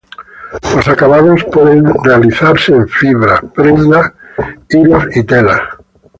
Los acabados pueden ser realizados en fibras, prendas, hilos y telas.